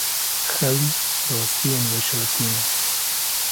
Xewn rastiyên veşartî ne.